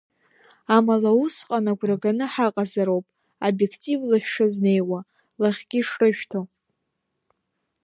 Амала усҟан агәра ганы ҳаҟазароуп обиективла шәшазнеиуа, лахьгьы шрышәҭо.